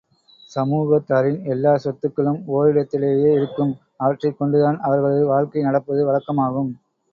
சமூகத்தாரின் எல்லா சொத்துக்களும் ஓரிடத்திலேயே இருக்கும் அவற்றைக் கொண்டுதான் அவர்களது வாழ்க்கை நடப்பது வழக்கமாகும்.